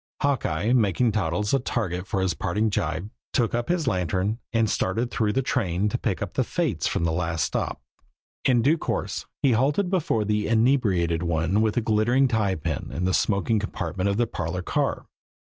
Hawkeye, making Toddles a target for a parting gibe, took up his lantern and started through the train to pick up the fates from the last stop. In due course he halted before the inebriated one with the glittering tie pin in the smoking compartment of the parlor car.